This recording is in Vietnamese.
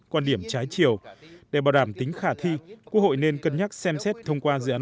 quan điểm trái chiều để bảo đảm tính khả thi quốc hội nên cân nhắc xem xét thông qua dự án